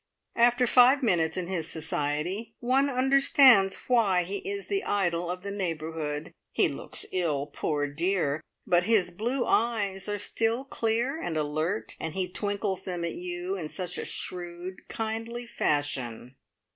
After five minutes in his society one understands why he is the idol of the neighbourhood. He looks ill, poor dear, but his blue eyes are still clear and alert, and he twinkles them at you in such a shrewd, kindly fashion.